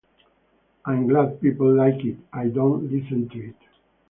I'm glad people like it, I don't listen to it.